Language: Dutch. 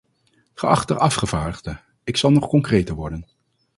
Geachte afgevaardigde, ik zal nog concreter worden.